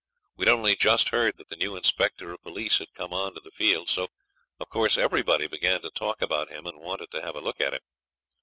We'd only just heard that the new Inspector of Police had come on to the field; so of course everybody began to talk about him and wanted to have a look at him.